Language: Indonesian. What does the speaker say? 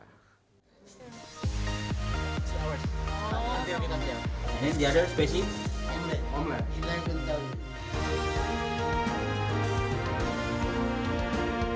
nama lainnya apa